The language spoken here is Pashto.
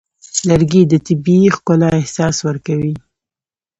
لرګی د طبیعي ښکلا احساس ورکوي.